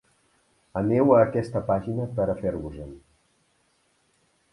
Aneu a aquesta pàgina per a fer-vos-en.